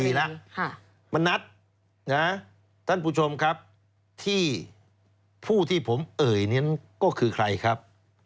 มณัฐท่านผู้ชมครับที่ผู้ที่ผมเอ่ยนั้นก็คือใครครับ